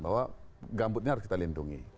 bahwa gambutnya harus kita lindungi